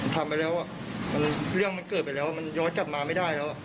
ทำไปแล้วเรื่องมันเกิดไปแล้วมันย้อนกลับมาไม่ได้แล้ว